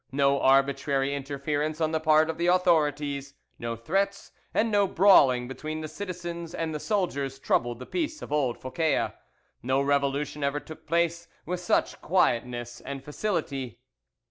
No arbitrary interference on the part of the authorities, no threats, and no brawling between the citizens and the soldiers, troubled the peace of old Phocea; no revolution ever took place with such quietness and facility.